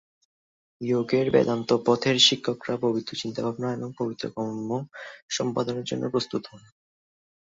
যোগের বেদান্ত পথের শিক্ষকরা পবিত্র চিন্তাভাবনা এবং পবিত্র কর্ম সম্পাদনের জন্য প্রস্তুত হন।